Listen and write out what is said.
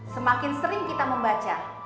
semakin sering kita membaca